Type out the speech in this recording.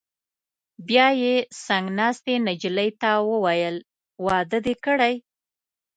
بیا یې څنګ ناستې نجلۍ ته وویل: واده دې کړی؟